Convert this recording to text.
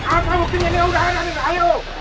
apa buktinya ini udah ada nih rahayu